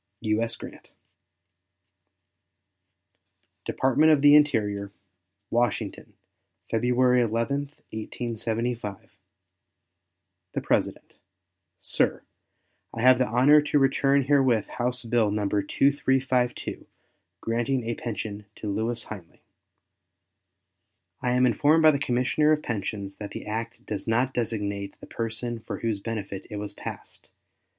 U.S. GRANT. DEPARTMENT OF THE INTERIOR, Washington, February 11, 1875. The PRESIDENT. SIR: I have the honor to return herewith House bill No. 2352, "granting a pension to Lewis Hinely." I am informed by the Commissioner of Pensions that the act does not designate the person for whose benefit it was passed.